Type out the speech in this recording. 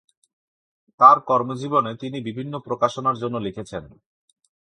তার কর্মজীবনে তিনি বিভিন্ন প্রকাশনার জন্য লিখেছেন।